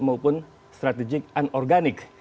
maupun strategik unorganik